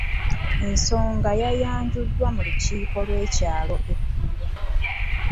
Ensonga yayanjuddwa mu lukiiko lw’ekyalo eggulo.